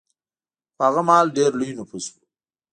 خو هغه مهال ډېر لوی نفوس و